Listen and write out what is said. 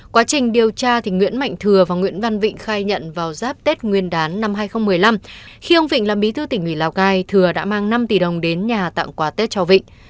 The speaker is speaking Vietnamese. quá trình điều tra nguyễn mạnh thừa và nguyễn văn vịnh khai nhận vào giáp tết nguyên đán năm hai nghìn một mươi năm khi ông vịnh là bí thư tỉnh ủy lào cai thừa đã mang năm tỷ đồng đến nhà tặng quà tết cho vịnh